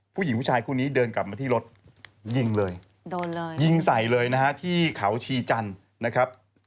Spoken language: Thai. ผู้หญิงผู้ชายคู่นี้เดินกลับมาที่รถยิงเลยโดนเลยยิงใส่เลยนะฮะที่เขาชีจันทร์นะครับ